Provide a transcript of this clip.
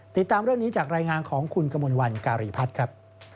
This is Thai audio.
ติดตามเรื่องนี้จากรายงานของคุณกมลวันการีพัฒน์ครับ